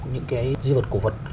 những cái di vật cổ vật